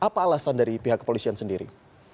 apa alasan dari pihak kepolisian sendiri